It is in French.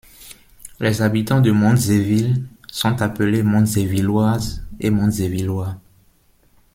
Les habitants de Montzéville sont appelés des Montzévilloises et Montzévillois.